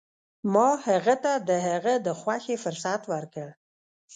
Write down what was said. ما هغه ته د هغه د خوښې فرصت ورکړ.